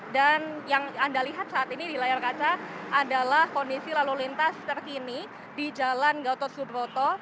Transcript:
dan yang anda lihat saat ini di layar kaca adalah kondisi lalu lintas terkini di jalan gautot subroto